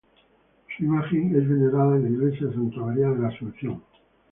Su imagen es venerada en la Iglesia de Santa María de la Asunción.